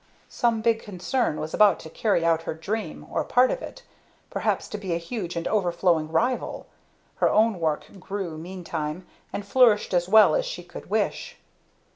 Some big concern was about to carry out her dream, or part of it perhaps to be a huge and overflowing rival. Her own work grew meantime, and flourished as well as she could wish.